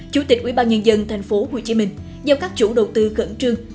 chủ tịch quỹ ban nhân dân thành phố hồ chí minh giao các chủ đầu tư cẩn trương